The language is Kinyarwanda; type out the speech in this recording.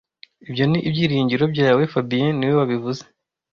Ibyo ni ibyiringiro byawe fabien niwe wabivuze